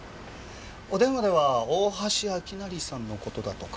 お電話では大橋明成さんの事だとか。